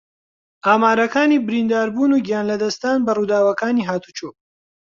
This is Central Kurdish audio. ئامارەکانی برینداربوون و گیانلەدەستدان بە ڕووداوەکانی ھاتوچۆ